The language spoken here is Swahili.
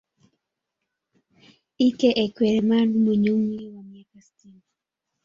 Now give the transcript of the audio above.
Ike Ekweremadu mwenye umri wa miaka sitini